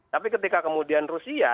tapi ketika kemudian rusia